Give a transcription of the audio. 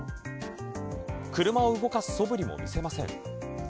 車を動かすそぶりも見せません。